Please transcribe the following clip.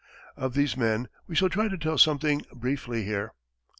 Of these men we shall try to tell something briefly here.